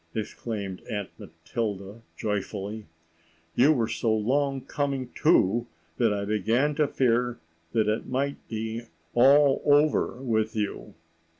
exclaimed Aunt Matilda joyfully. "You were so long coming to that I began to fear that it might be all over with you."